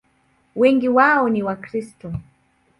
Wengi wao ni Wakristo.